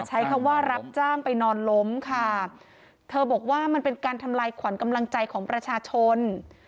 ใช้คำว่ารับจ้างไปนอนล้มค่ะเธอบอกว่ามันเป็นการทำลายขวัญกำลังใจของประชาชน